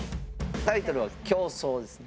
タイトルは「競走」ですね。